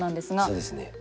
そうですね。